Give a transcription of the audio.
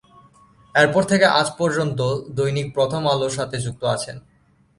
এরপর থেকে আজ পর্যন্ত দৈনিক প্রথম আলোর সাথে যুক্ত আছেন।